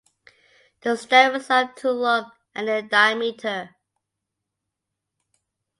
The stem is up to long and in diameter.